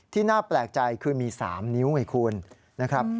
น่าแปลกใจคือมี๓นิ้วไงคุณนะครับ